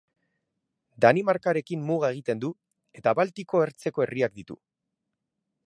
Danimarkarekin muga egiten du eta Baltiko ertzeko herriak ditu.